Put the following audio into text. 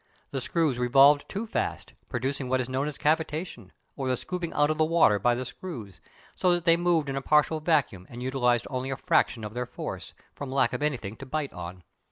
The screws revolved too fast, producing what is known as cavitation, or the scooping out of the water by the screws, so that they moved in a partial vacuum and utilised only a fraction of their force, from lack of anything to "bite" on.